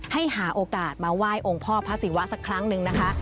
ให้หาโอกาสมาไหว้องค์พ่อพระศิวะสักครั้งหนึ่งนะคะ